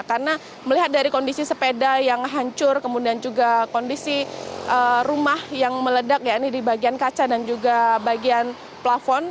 karena melihat dari kondisi sepeda yang hancur kemudian juga kondisi rumah yang meledak di bagian kaca dan juga bagian plafon